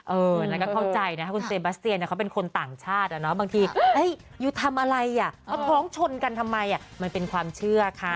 เออนัดน้ำเข้าใจนะคุณเซบาสเซียนเขาเป็นคนต่างชาติบางทีวิวทำอะไรอ่ะต้องชนกันทำไมมันเป็นความเชื่อค่ะ